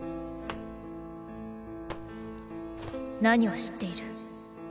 何を知っている？